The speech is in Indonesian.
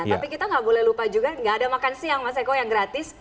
tapi kita nggak boleh lupa juga nggak ada makan siang mas eko yang gratis